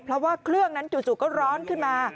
เพราะว่าเครื่องนั้นจู่ก็ร้อนขึ้นมา